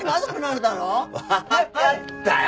わかったよ！